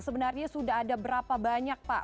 sebenarnya sudah ada berapa banyak pak